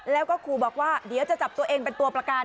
แล้วก็ครูบอกว่าเดี๋ยวจะจับตัวเองเป็นตัวประกัน